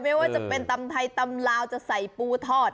ไม่ว่าจะเป็นตำไทยตำลาวจะใส่ปูทอด